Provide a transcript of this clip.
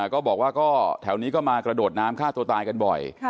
ก็บอกว่าก็แถวนี้ก็มากระโดดน้ำฆ่าตัวตายกันบ่อย